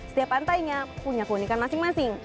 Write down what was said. setiap pantainya punya keunikan masing masing